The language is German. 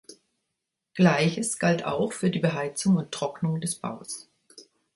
Gleiches galt auch für die Beheizung und Trocknung des Baus.